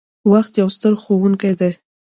• وخت یو ستر ښوونکی دی.